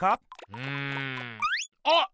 うん。あっ！